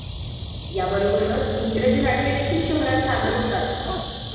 याबरोबरच इंग्रजी नाटके देखिल शहरात सादर होतात.